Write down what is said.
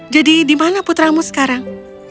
jadi di mana putramu sekarang